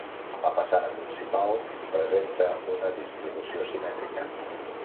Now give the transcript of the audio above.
La façana principal presenta una distribució simètrica.